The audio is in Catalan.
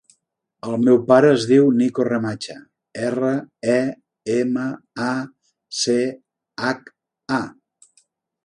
El meu pare es diu Niko Remacha: erra, e, ema, a, ce, hac, a.